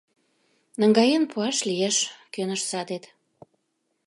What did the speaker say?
— Наҥгаен пуаш лиеш, — кӧныш садет.